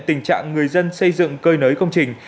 tình trạng người dân xây dựng cơi nới công trình